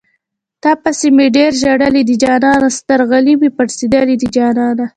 تاپسې مې ډېر ژړلي دي جانانه سترغلي مې پړسېدلي دي جانانه